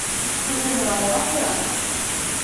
Куку мура - молан йӧра?